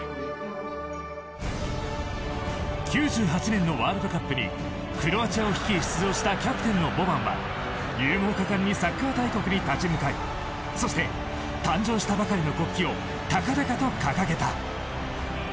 ９８年のワールドカップにクロアチアを率い、出場したキャプテンのボバンは勇猛果敢にサッカー大国に立ち向かいそして、誕生したばかりの国旗を高々と掲げた。